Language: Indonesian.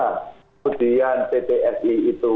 kemudian ttsi itu